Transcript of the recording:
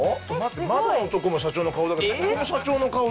窓のとこも社長の顔だけどここも社長の顔じゃん。